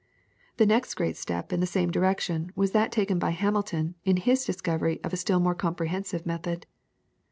The next great step in the same direction was that taken by Hamilton in his discovery of a still more comprehensive method.